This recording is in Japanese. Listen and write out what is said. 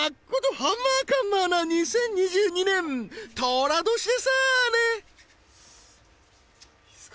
ハンマーカンマーな２０２２年とら年でさーねいいですか？